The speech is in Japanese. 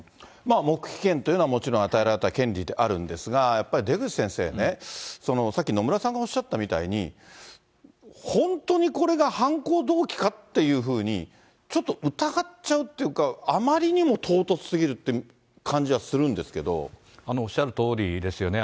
黙秘権というのは、もちろん与えられた権利であるんですが、やっぱり出口先生ね、さっき野村さんがおっしゃったみたいに、本当にこれが犯行動機かっていうふうに、ちょっと疑っちゃうというか、あまりにも唐突すぎるおっしゃるとおりですよね。